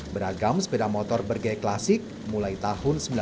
beragam sepeda motor bergaya klasik mulai tahun seribu sembilan ratus sembilan puluh